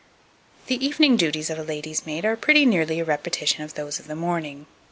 2281. The evening duties of a lady's maid are pretty nearly a repetition of those of the morning.